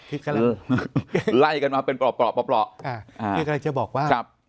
เออไล่กันมาเป็นปล่อปล่อปล่อปล่ออ่าคือก็เลยจะบอกว่าครับ